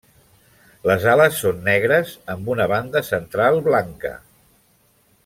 Les ales són negres amb una banda central blanca.